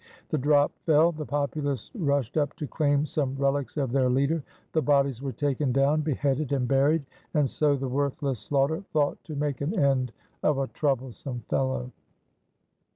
The drop fell, the populace rushed up to claim some relics of their leader, the bodies were taken down, beheaded, and buried, and so the worthless Sloughter thought to make an end of "a troublesome fellow."